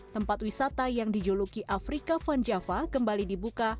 tempat wisata yang dijuluki afrika van java kembali dibuka